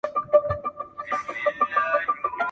دغه وخت به ښکاري کش کړل تناوونه -